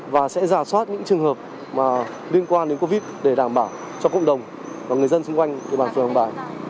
và sẽ giả soát những trường hợp liên quan đến covid để đảm bảo cho cộng đồng và người dân xung quanh phường hàng bài